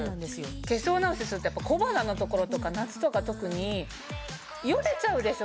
化粧直しするとやっぱり小鼻の所とか夏とか特にヨレちゃうでしょ